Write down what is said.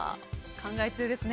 考え中ですね。